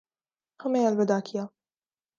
ہمیں الوداع کیا